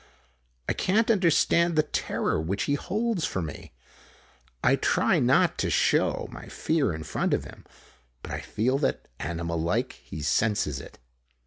I can't understand the terror which he holds for me. I try not to show my fear in front of him, but I feel that, animal like, he senses it.